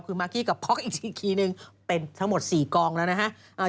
คือมากกี้กับพ็อกอีกทีนึงเป็นทั้งหมด๔กองแล้วนะฮะ